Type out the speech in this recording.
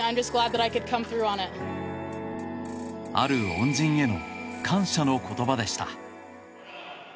ある恩人への感謝の言葉でした。